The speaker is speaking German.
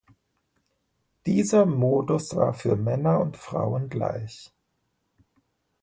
Dieser Modus war für Männer und Frauen gleich.